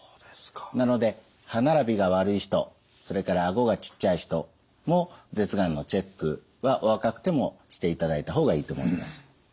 なので歯並びが悪い人それから顎がちっちゃい人も舌がんのチェックはお若くてもしていただいた方がいいと思います。